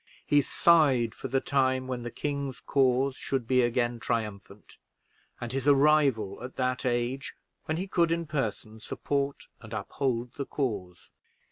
He sighed for the time when the king's cause should be again triumphant, and his arrival at that age when he could in person support and uphold the cause.